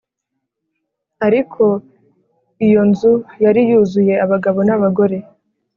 Ariko iyo nzu yari yuzuye abagabo n abagore